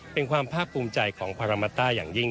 เป็นความภาคภูมิใจของพารามาต้าอย่างยิ่ง